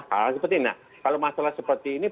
kalau masalah seperti ini